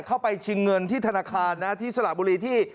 ชิงเงินที่ธนาคารนะที่สระบุรีที่